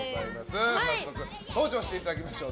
早速登場していただきましょう。